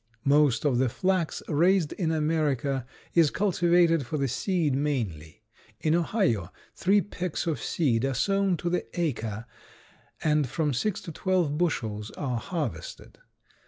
Most of the flax raised in America is cultivated for the seed mainly. In Ohio three pecks of seed are sown to the acre and from six to twelve bushels are harvested.